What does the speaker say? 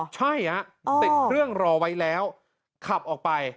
ใช่ฮะติดเครื่องรอไว้แล้วขับออกไป